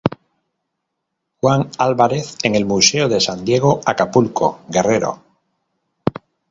Juan Alvarez en el museo de San Diego, Acapulco Guerrero.